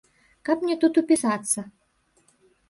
Каб мне тут упісацца.